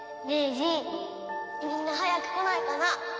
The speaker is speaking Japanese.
みんな早く来ないかな？